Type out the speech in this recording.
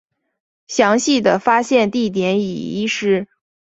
详细的发现地点已遗失。